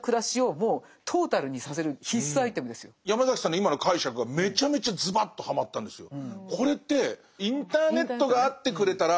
だからヤマザキさんの今の解釈がめちゃめちゃズバッとはまったんですよ。